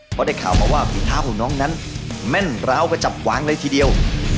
เพราะได้ข่าวมาว่าฝีเท้าของน้องนั้นแม่นร้าวกระจับกวางเลยทีเดียว